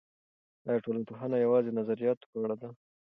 ایا ټولنپوهنه یوازې د نظریاتو په اړه ده؟